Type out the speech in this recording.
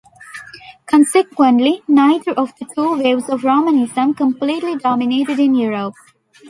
Consequently, neither of the two waves of Romanism completely dominated in Europe.